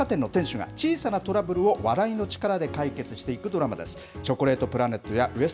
雑貨店の店主が、小さなトラブルを笑いの力で解決していくドラマです。